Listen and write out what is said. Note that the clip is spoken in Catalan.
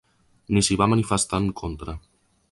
Ni s’hi va manifestar en contra.